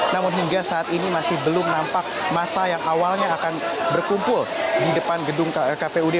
namun hingga saat ini masih belum nampak masa yang awalnya akan berkumpul di depan gedung kpud